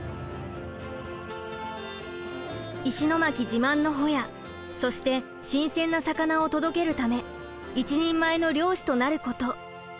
石巻自慢のホヤそして新鮮な魚を届けるため一人前の漁師となること。